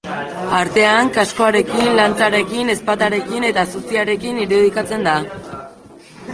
Artean, kaskoarekin, lantzarekin, ezpatarekin eta zuziarekin irudikatzen da.